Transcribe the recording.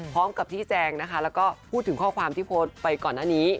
พร้อมกับชี้แจงนะคะแล้วก็พูดถึงข้อความที่โพสต์ไปก่อนหน้านี้